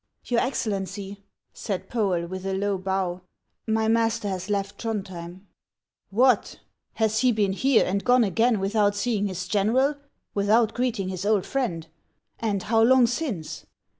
" Your Excellency," said Foel, with a low bow, " my master has left Throndhjem." " What ! has he been here, and gone again without see ing his general, without greeting his old friend ! And how long since